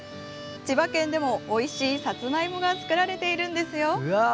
千葉県でもおいしいさつまいもが作られているんですよ。